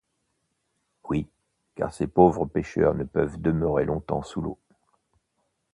Oui, car ces pauvres pêcheurs ne peuvent demeurer longtemps sous l’eau.